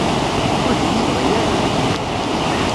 Ur d-iyi-yebɣi ara?